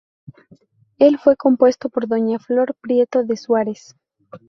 El fue compuesto por doña Flor Prieto de Suárez.